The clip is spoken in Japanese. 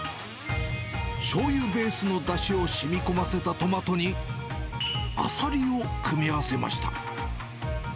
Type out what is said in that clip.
しょうゆベースのだしをしみこませたトマトに、アサリを組み合わせました。